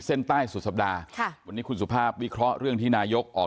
เส้นใต้สุดสัปดาห์ค่ะวันนี้คุณสุภาพวิเคราะห์เรื่องที่นายกออก